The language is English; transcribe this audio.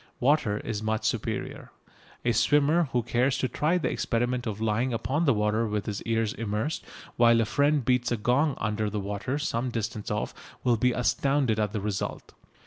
Water is much superior. A swimmer who cares to try the experiment of lying upon the water with his ears immersed while a friend beats a gong under the water some distance off will be astounded at the result.